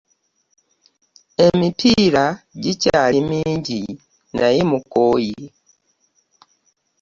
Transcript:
Emipiira gikyali mingi naye mukooye.